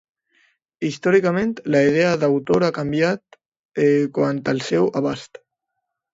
Històricament la idea d'autor ha canviat quant al seu abast.